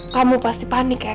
kamu pasti panik kan